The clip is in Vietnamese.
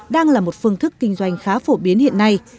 đang là một phương thức kinh doanh khá phổ biến hiện nay